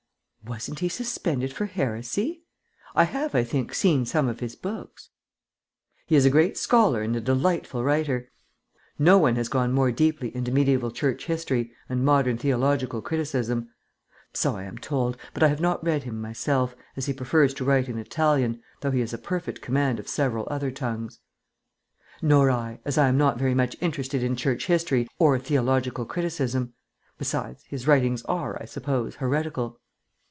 "Wasn't he suspended for heresy? I have, I think, seen some of his books." "He is a great scholar and a delightful writer. No one has gone more deeply into mediæval Church history and modern theological criticism. So I am told, but I have not read him myself, as he prefers to write in Italian, though he has a perfect command of several other tongues." "Nor I, as I am not very much interested in Church history or theological criticism. Besides, his writings are, I suppose, heretical."